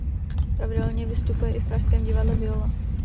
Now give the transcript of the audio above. Pravidelně vystupuje i v pražském Divadle Viola.